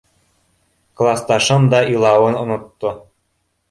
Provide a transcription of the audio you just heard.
Класташым да илауын онотто.